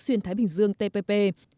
xuyên thái bình dương tpp